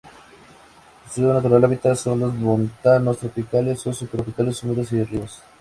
Su natural hábitat son los montanos tropicales o subtropicales húmedos y ríos.